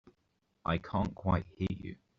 I can't quite hear you.